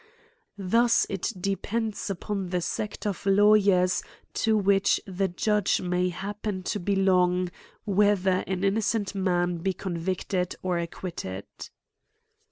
Thus it depends, upon the sect of lawyers to which the judge may happen to belong whether an innocent man be convicted of acquitted.